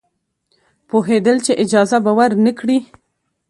پوهېدل چې اجازه به ورنه کړي.